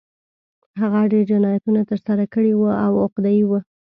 هغه ډېر جنایتونه ترسره کړي وو او عقده اي و